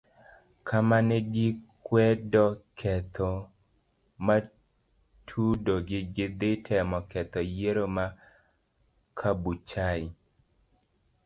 Kamane gikwede ketho matudogi gi dhi temo ketho yiero ma kabuchai.